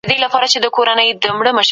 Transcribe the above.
ايا د دولت مصارف غير مؤلد دي؟